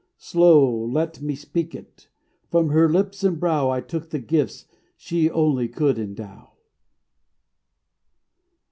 Slow let me speak it: From her lips and brow I took the gifts she only could endow.